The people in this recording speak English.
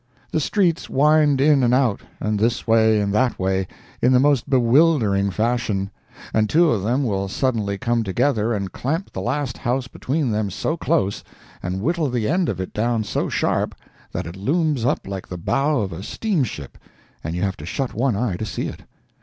The streets wind in and out, and this way and that way, in the most bewildering fashion, and two of them will suddenly come together and clamp the last house between them so close, and whittle the end of it down so sharp, that it looms up like the bow of a steam ship, and you have to shut one eye to see it.